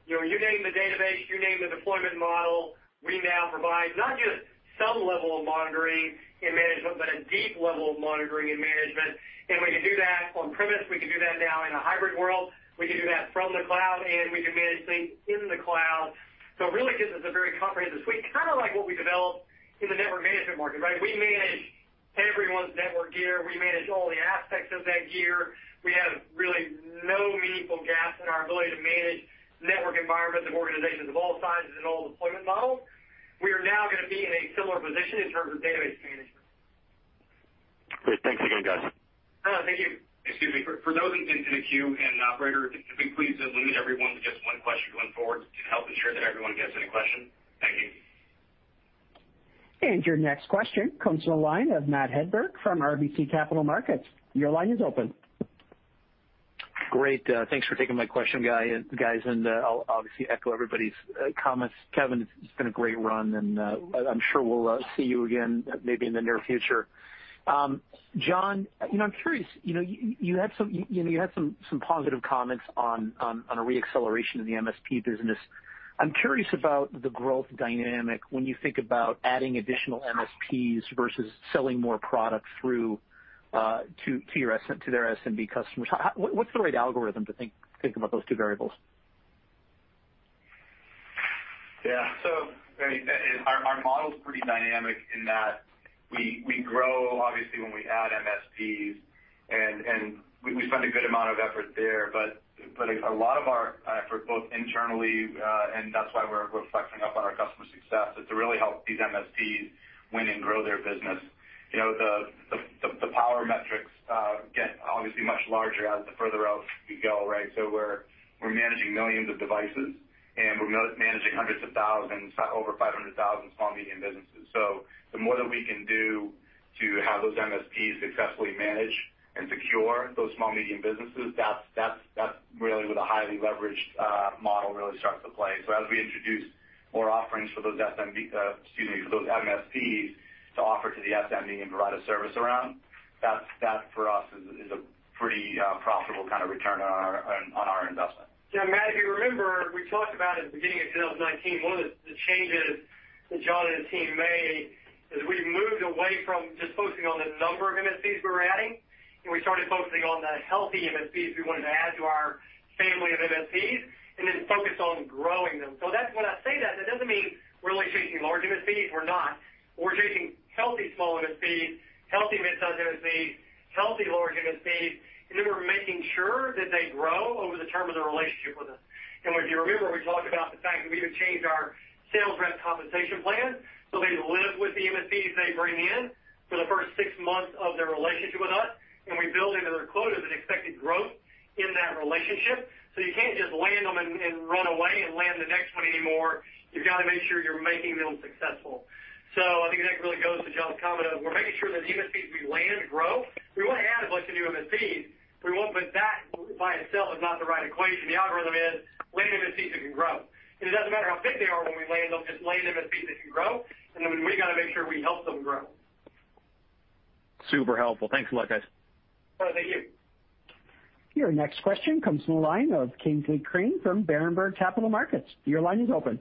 You name the database, you name the deployment model, we now provide not just some level of monitoring and management, but a deep level of monitoring and management. We can do that on-premises. We can do that now in a hybrid world. We can do that from the cloud, and we can manage things in the cloud. It really gives us a very comprehensive suite, kind of like what we developed in the network management market, right? We manage everyone's network gear. We manage all the aspects of that gear. We have really no meaningful gaps in our ability to manage network environments of organizations of all sizes and all deployment models. We are now going to be in a similar position in terms of database management. Great. Thanks again, guys. Thank you. Excuse me. Operator, if we could please limit everyone to just one question going forward to help ensure that everyone gets in a question. Thank you. Your next question comes from the line of Matt Hedberg from RBC Capital Markets. Your line is open. Great. Thanks for taking my question, guys. I'll obviously echo everybody's comments. Kevin, it's been a great run. I'm sure we'll see you again maybe in the near future. John, I'm curious, you had some positive comments on a re-acceleration in the MSP business. I'm curious about the growth dynamic when you think about adding additional MSPs versus selling more product to their SMB customers. What's the right algorithm to think about those two variables? Yeah. Our model's pretty dynamic in that we grow obviously when we add MSPs, and we spend a good amount of effort there. A lot of our effort both internally, and that's why we're flexing up on our customer success, is to really help these MSPs win and grow their business. The power metrics get obviously much larger as the further out we go, right? We're managing millions of devices, and we're managing hundreds of thousands, over 500,000 small-medium businesses. The more that we can do to have those MSPs successfully manage and secure those small-medium businesses, that's really where the highly leveraged model really starts to play. As we introduce more offerings for those MSPs to offer to the SMB and provide a service around, that for us is a pretty profitable kind of return. Matt, if you remember, we talked about at the beginning of 2019, one of the changes that John and his team made is we moved away from just focusing on the number of MSPs we were adding, and we started focusing on the healthy MSPs we wanted to add to our family of MSPs, and then focused on growing them. When I say that doesn't mean we're only chasing large MSPs. We're not. We're chasing healthy small MSPs, healthy mid-sized MSPs, healthy large MSPs, and then we're making sure that they grow over the term of their relationship with us. If you remember, we talked about the fact that we even changed our sales rep compensation plan, so they live with the MSPs they bring in for the first six months of their relationship with us, and we build into their quota the expected growth in that relationship. You can't just land them and run away and land the next one anymore. You've got to make sure you're making them successful. I think that really goes to John's comment of we're making sure that MSPs we land grow. We want to add as much of new MSPs, but that by itself is not the right equation. The algorithm is land MSPs that can grow. It doesn't matter how big they are when we land them, just land MSPs that can grow, and then we've got to make sure we help them grow. Super helpful. Thanks a lot, guys. Oh, thank you. Your next question comes from the line of Kingsley Crane from Berenberg Capital Markets. Your line is open.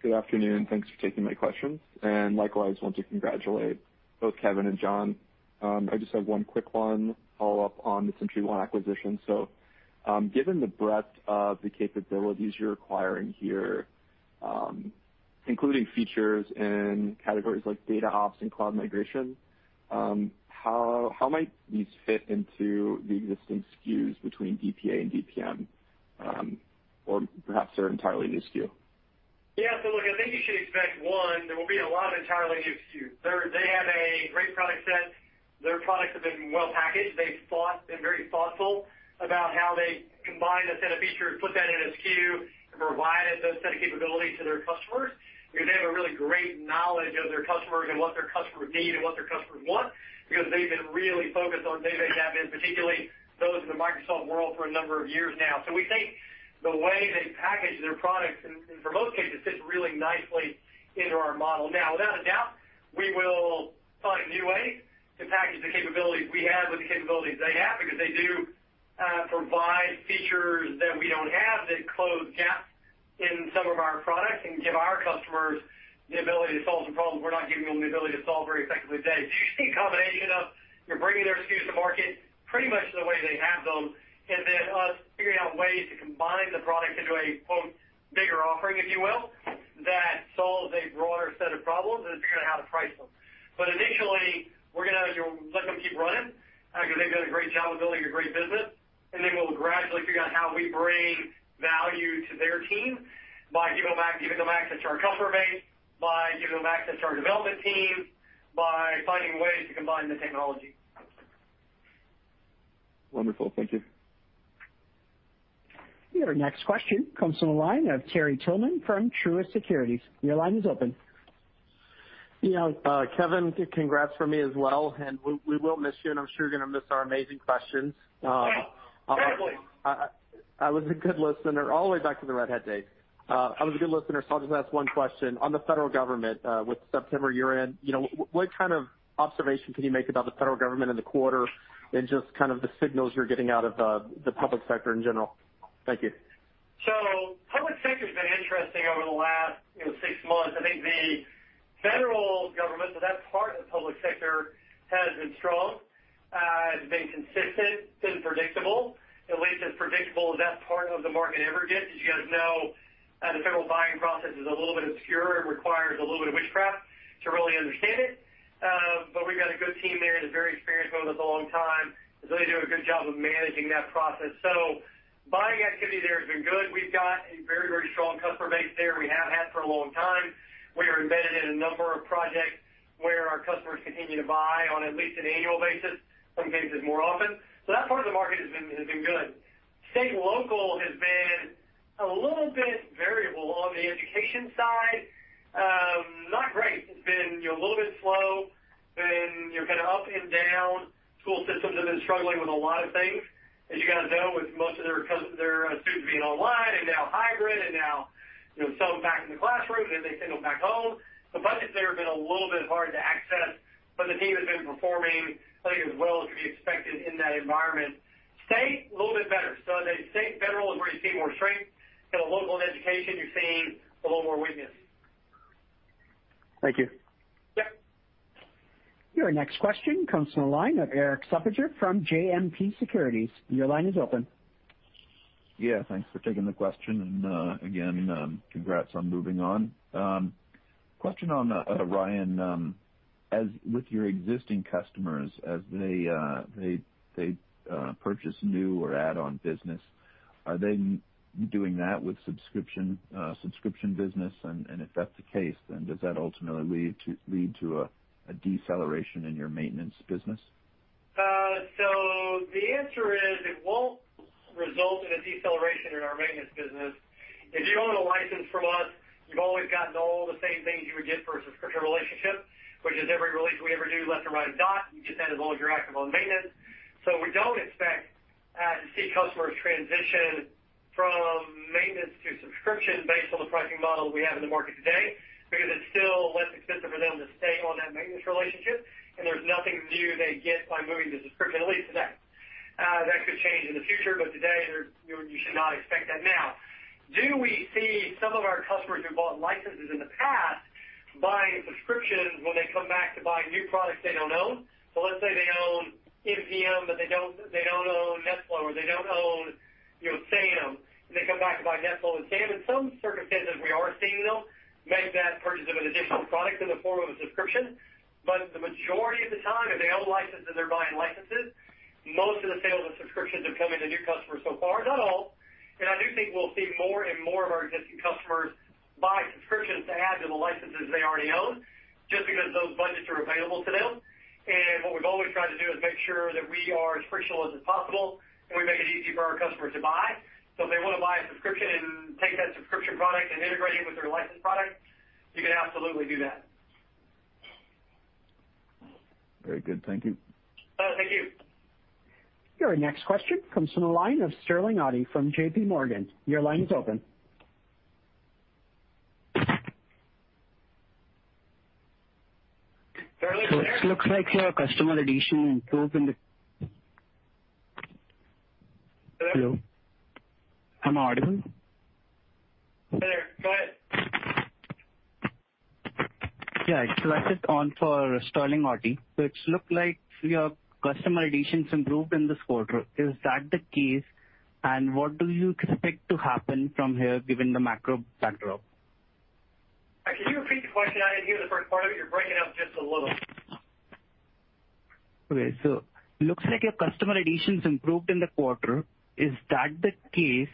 Good afternoon. Thanks for taking my questions. Likewise, want to congratulate both Kevin and John. I just have one quick one follow-up on the SentryOne acquisition. Given the breadth of the capabilities you're acquiring here, including features and categories like DataOps and cloud migration, how might these fit into the existing SKUs between DPA and DPM? Perhaps they're an entirely new SKU. Yeah. Look, I think you should expect, one, there will be a lot of entirely new SKUs. They have a great product set. Their products have been well packaged. They've been very thoughtful about how they combine a set of features, put that in a SKU, and provided those set of capabilities to their customers, because they have a really great knowledge of their customers and what their customers need and what their customers want, because they've been really focused on data and they have been particularly those in the Microsoft world for a number of years now. We think the way they package their products, and for most cases, sits really nicely into our model. Without a doubt, we will find new ways to package the capabilities we have with the capabilities they have because they do provide features that we don't have that close gaps in some of our products and give our customers the ability to solve some problems we're not giving them the ability to solve very effectively today, a combination of bringing their SKUs to market pretty much the way they have them, and then us figuring out ways to combine the product into a, quote, "bigger offering," if you will, that solves a broader set of problems and figuring out how to price them. Initially, we're going to let them keep running because they've done a great job building a great business, and then we'll gradually figure out how we bring value to their team by giving them access to our customer base, by giving them access to our development team, by finding ways to combine the technology. Wonderful. Thank you. Your next question comes from the line of Terry Tillman from Truist Securities. Your line is open. Yeah. Kevin, congrats from me as well, and we will miss you, and I'm sure you're going to miss our amazing questions. Oh, terribly. I was a good listener all the way back to the Red Hat days. I was a good listener, I'll just ask one question. On the federal government, with September year-end, what kind of observation can you make about the federal government in the quarter and just the signals you're getting out of the public sector in general? Thank you. Public sector's been interesting over the last six months. I think the federal government, so that part of the public sector, has been strong, has been consistent, been predictable, at least as predictable as that part of the market ever gets. As you guys know, the federal buying process is a little bit obscure and requires a little bit of witchcraft to really understand it. We've got a good team there that's very experienced, been with us a long time, they do a good job of managing that process. Buying activity there has been good. We've got a very, very strong customer base there. We have had for a long time. We are embedded in a number of projects where our customers continue to buy on at least an annual basis, sometimes it's more often. That part of the market has been good. State and local has been a little bit variable. On the education side, not great. It's been a little bit slow. It's been kind of up and down. School systems have been struggling with a lot of things, as you guys know, with most of their students being online and now hybrid, and now some back in the classroom, and then they send them back home. Budgets there have been a little bit hard to access, but the team has been performing I think as well as could be expected in that environment. State has been a little bit better. The state, federal is where you see more strength. In local and education, you're seeing a little more weakness. Thank you. Yeah. Your next question comes from the line of Erik Suppiger from JMP Securities. Your line is open. Thanks for taking the question, again, congrats on moving on. Question on Orion. With your existing customers, as they purchase new or add-on business, are they doing that with subscription business? If that's the case, does that ultimately lead to a deceleration in your maintenance business? The answer is it won't result in a deceleration in our maintenance business. If you own a license from us, you've always gotten all the same things you would get for a subscription relationship, which is every release we ever do left or right a dot. You just had as long as you're active on maintenance. We don't expect to see customers transition from maintenance to subscription based on the pricing model we have in the market today, because it's still less expensive for them to stay on that maintenance relationship, and there's nothing new they get by moving to subscription, at least today. That could change in the future, but today, you should not expect that now. Do we see some of our customers who bought licenses in the past buying subscriptions when they come back to buy new products they don't own? Let's say they own NPM, but they don't own NetFlow, or they don't own SAM, and they come back to buy NetFlow and SAM. In some circumstances, we are seeing them make that purchase of an additional product in the form of a subscription. The majority of the time, if they own licenses, they're buying licenses. Most of the sales of subscriptions are coming to new customers so far. Not all. I do think we'll see more and more of our existing customers buy subscriptions to add to the licenses they already own, just because those budgets are available to them. What we've always tried to do is make sure that we are as frictionless as is possible, and we make it easy for our customers to buy. If they want to buy a subscription and take that subscription product and integrate it with their licensed product, you can absolutely do that. Very good. Thank you. Thank you. Your next question comes from the line of Sterling Auty from J.P. Morgan. Your line is open. it looks like your customer addition improved in the- Hello? Hello. Am I audible? Hey there. Go ahead. Yeah. I just on for Sterling Auty. It looks like your customer additions improved in this quarter. Is that the case, and what do you expect to happen from here, given the macro backdrop? Can you repeat the question? I didn't hear the first part of it. You're breaking up just a little. Okay. Looks like your customer additions improved in the quarter. Is that the case,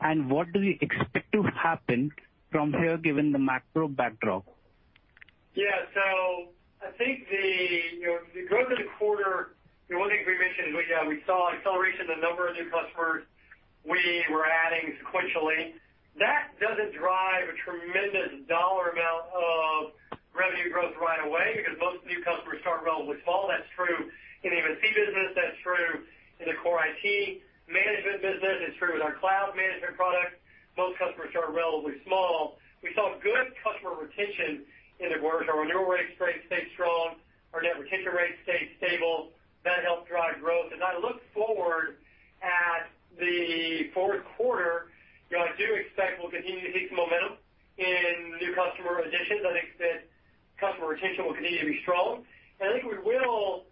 and what do you expect to happen from here, given the macro backdrop? I think the growth of the quarter, the one thing we mentioned is we saw acceleration in the number of new customers we were adding sequentially. That doesn't drive a tremendous dollar amount of revenue growth right away because most new customers start relatively small. That's true in the MSP business. That's true in the core IT management business. It's true with our cloud management product. Most customers start relatively small. We saw good customer retention in the quarter. Our renewal rates stayed strong. Our net retention rates stayed stable. That helped drive growth. As I look forward at the Q4, I do expect we'll continue to hit some momentum in new customer additions. I think that customer retention will continue to be strong, and I think we will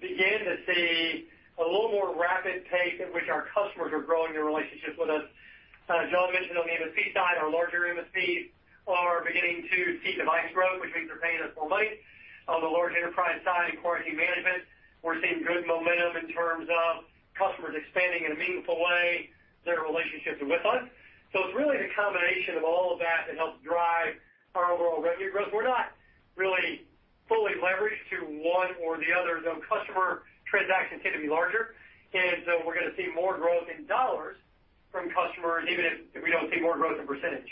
begin to see a little more rapid pace at which our customers are growing their relationships with us. As John mentioned on the MSP side, our larger MSPs are beginning to see device growth, which means they're paying us more money. On the large enterprise side, in core IT management, we're seeing good momentum in terms of customers expanding in a meaningful way their relationships with us. It's really the combination of all of that helps drive our overall revenue growth. We're not really fully leveraged to one or the other, so customer transactions tend to be larger. We're going to see more growth in dollars from customers, even if we don't see more growth in percentage.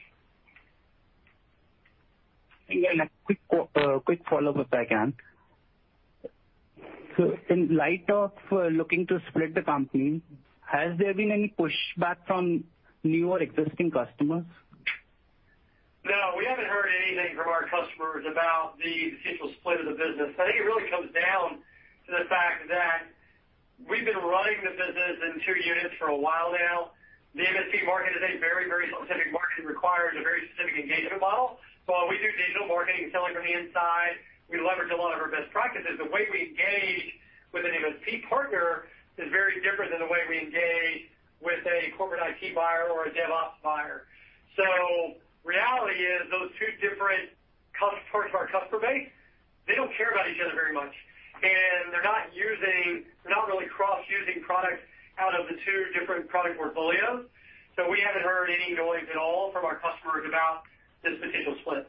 A quick follow-up, if I can. In light of looking to split the company, has there been any pushback from new or existing customers? No, we haven't heard anything from our customers about the potential split of the business. I think it really comes down to the fact that we've been running the business in two units for a while now. The MSP market is a very specific market. It requires a very specific engagement model. While we do digital marketing and selling from the inside, we leverage a lot of our best practices. The way we engage with an MSP partner is very different than the way we engage with a corporate IT buyer or a DevOps buyer. Reality is those two different parts of our customer base, they don't care about each other very much, and they're not really cross-using products out of the two different product portfolios. We haven't heard any noise at all from our customers about this potential split.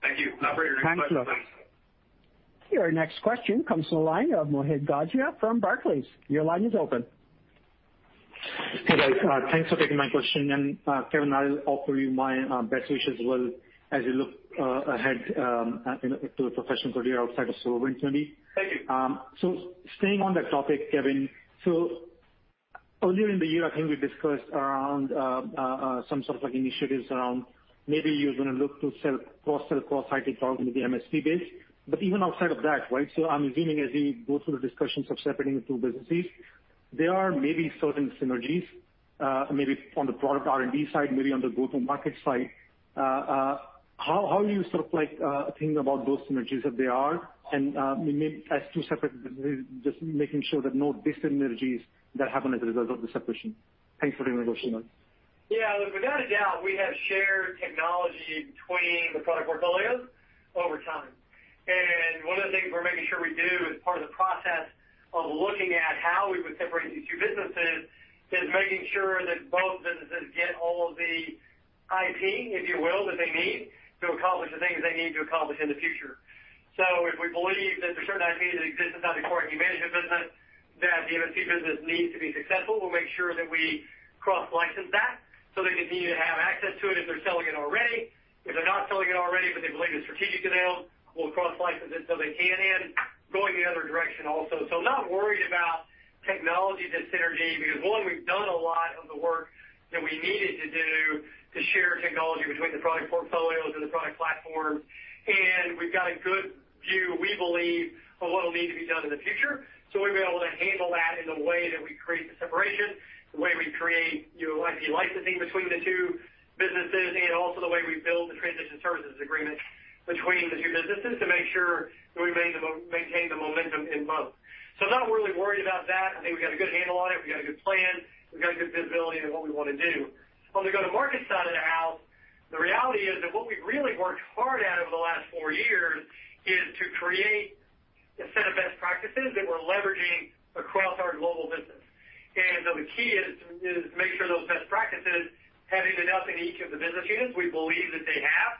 Thank you. Operator, next question please. Thanks a lot. Your next question comes from the line of Mohit Gogia from Barclays. Your line is open. Hey, guys. Thanks for taking my question. Kevin, I'll offer you my best wishes as well as you look ahead to a professional career outside of SolarWinds 2020. Thank you. Staying on that topic, Kevin. Earlier in the year, I think we discussed around some sort of initiatives around maybe you're going to look to sell cross site intelligence to the MSP base. Even outside of that, right? I'm assuming as we go through the discussions of separating the two businesses, there are maybe certain synergies maybe on the product R&D side, maybe on the go-to-market side. How are you sort of thinking about those synergies if they are, and maybe as two separate businesses, just making sure that no dyssynergies that happen as a result of the separation? Thanks for the introduction. Look, without a doubt, we have shared technology between the product portfolios over time. One of the things we're making sure we do as part of the process of looking at how we would separate these two businesses is making sure that both businesses get all of the IP, if you will, that they need to accomplish the things they need to accomplish in the future. If we believe that there are certain IP that exists inside the core IT management business that the MSP business needs to be successful, we'll make sure that we cross-license that. So they continue to have access to it if they're selling it already. If they're not selling it already, but they believe the strategic value, we'll cross-license it so they can, and going the other direction also. Not worried about technology dis-synergy, because one, we've done a lot of the work that we needed to do to share technology between the product portfolios and the product platforms. We've got a good view, we believe, of what'll need to be done in the future. We've been able to handle that in the way that we create the separation, the way we create IP licensing between the two businesses, and also the way we build the transition services agreement between the two businesses to make sure that we maintain the momentum in both. Not really worried about that. I think we got a good handle on it. We got a good plan. We've got good visibility into what we want to do. On the go-to-market side of the house, the reality is that what we've really worked hard at over the last four years is to create a set of best practices that we're leveraging across our global business. The key is to make sure those best practices have ended up in each of the business units. We believe that they have,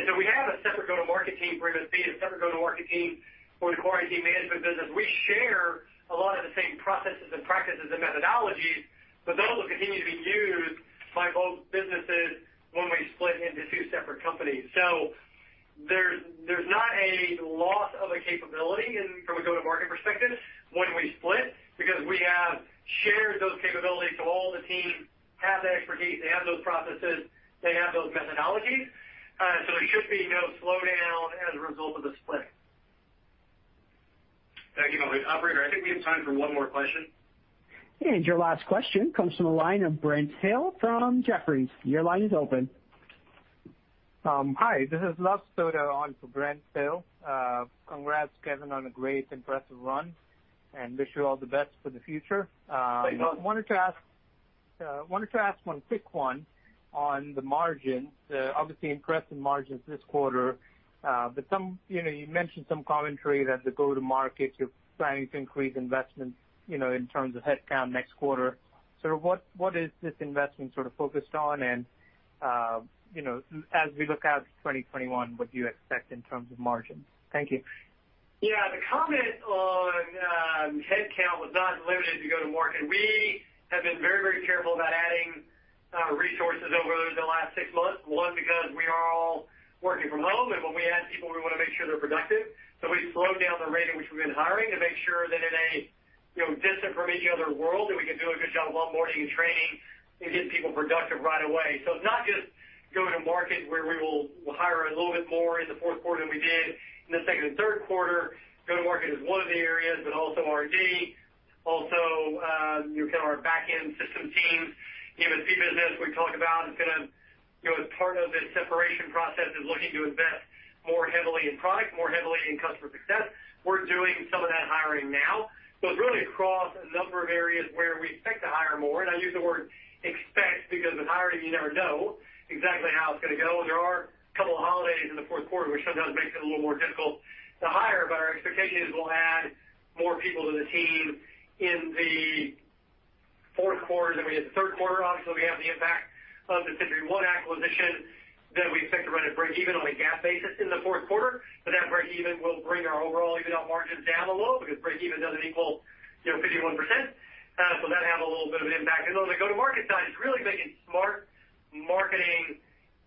is that we have a separate go-to-market team for MSP, a separate go-to-market team for the core IT management business. We share a lot of the same processes and practices and methodologies, but those will continue to be used by both businesses when we split into two separate companies. There's not a loss of a capability from a go-to-market perspective when we split, because we have shared those capabilities. All the teams have the expertise, they have those processes, they have those methodologies. There should be no slowdown as a result of the split. Thank you. Operator, I think we have time for one more question. Your last question comes from the line of Brent Thill from Jefferies. Your line is open. Hi, this is Luv Sodha on for Brent Thill. Congrats, Kevin, on a great, impressive run, and wish you all the best for the future. Thank you. Wanted to ask one quick one on the margins. Obviously impressive margins this quarter. You mentioned some commentary that the go-to-market, you're planning to increase investments in terms of headcount next quarter. Sort of what is this investment sort of focused on? As we look out to 2021, what do you expect in terms of margins? Thank you. Yeah. The comment on headcount was not limited to go-to-market. We have been very careful about adding resources over the last six months. One, because we are all working from home, and when we add people, we want to make sure they're productive. We slowed down the rate at which we've been hiring to make sure that in a distant from each other world, that we can do a good job of onboarding and training and getting people productive right away. It's not just go-to-market, where we will hire a little bit more in the Q4 than we did in the second and Q3. Go-to-market is one of the areas, but also R&D, also our back-end system teams. MSP business, we talk about as part of the separation process, is looking to invest more heavily in product, more heavily in customer success. We're doing some of that hiring now. It's really across a number of areas where we expect to hire more. I use the word expect because with hiring, you never know exactly how it's going to go. There are a couple of holidays in the Q4, which sometimes makes it a little more difficult to hire. Our expectation is we'll add more people to the team in the Q4 than we did the Q3. Obviously, we have the impact of the SentryOne acquisition that we expect to run at breakeven on a GAAP basis in the Q4. That breakeven will bring our overall EBITDA margins down a little because breakeven doesn't equal 51%. That'll have a little bit of an impact. On the go-to-market side, it's really making smart marketing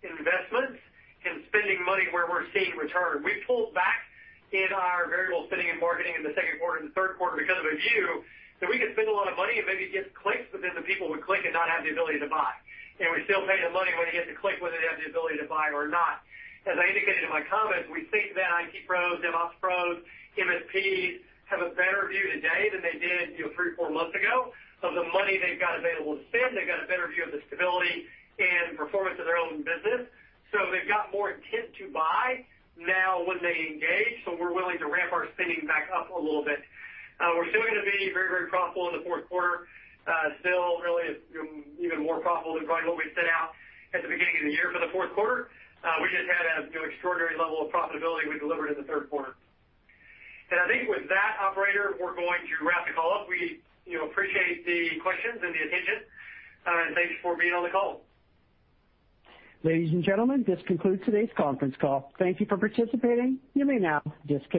investments and spending money where we're seeing return. We pulled back in our variable spending and marketing in the Q2 and Q3 because of a view that we could spend a lot of money and maybe get clicks, but then the people would click and not have the ability to buy. We're still paying the money when they get the click, whether they have the ability to buy or not. As I indicated in my comments, we think that IT pros, DevOps pros, MSPs have a better view today than they did three or four months ago of the money they've got available to spend. They've got a better view of the stability and performance of their own business. They've got more intent to buy now when they engage. We're willing to ramp our spending back up a little bit. We're still going to be very profitable in the Q4. Still really even more profitable than probably what we set out at the beginning of the year for the Q4. We just had an extraordinary level of profitability we delivered in the Q3. I think with that, operator, we're going to wrap the call up. We appreciate the questions and the attention. Thanks for being on the call. Ladies and gentlemen, this concludes today's conference call. Thank you for participating. You may now disconnect.